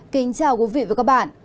kính chào quý vị và các bạn